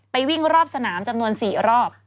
วิ่งรอบสนามจำนวน๔รอบ